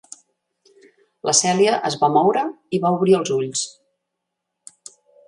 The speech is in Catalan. La Celia es va moure i va obrir els ulls.